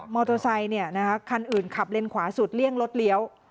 อเตอร์ไซคันอื่นขับเลนขวาสุดเลี่ยงรถเลี้ยว